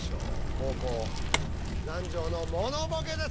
後攻南條のモノボケです。